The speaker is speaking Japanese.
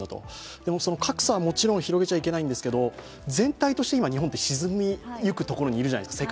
でも、格差はもちろん広げちゃ行けないんですけど、全体として日本は世界で見ると沈みゆくところにいるじゃないですか。